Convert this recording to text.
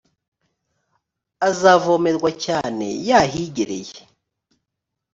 azavomerwa cyane yahigereye